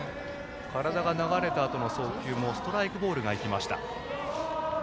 体が流れたあとの送球もストライクボールが行きました。